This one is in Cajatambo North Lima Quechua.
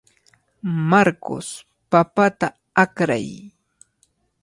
Marcos, papata akray.